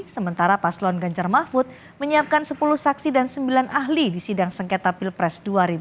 sementara paslon ganjar mahfud menyiapkan sepuluh saksi dan sembilan ahli di sidang sengketa pilpres dua ribu sembilan belas